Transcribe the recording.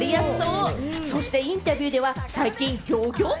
そしてインタビューでは、最近ギョギョッ！